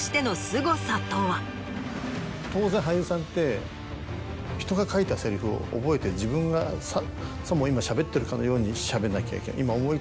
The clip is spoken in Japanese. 当然俳優さんってひとが書いたセリフを覚えて自分がさも今しゃべってるかのようにしゃべんなきゃいけない